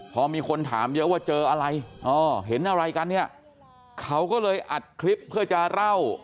พอมีคนถามเยอะว่าเจออะไรเห็นอะไรกันเนี่ยเขาก็เลยอัดคลิปเพื่อจะเล่า